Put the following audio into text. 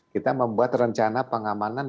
kita membuat rencana pengamanan